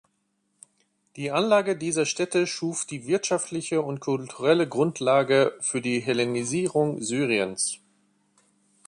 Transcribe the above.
Die Anlage dieser Städte schuf die wirtschaftliche und kulturelle Grundlage für die Hellenisierung Syriens.